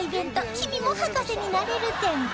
「君も博士になれる展」